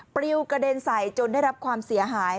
ปริวกระเด็นใส่จนได้รับความเสียหาย